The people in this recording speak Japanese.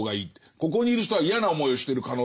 ここにいる人は嫌な思いをしてる可能性がある。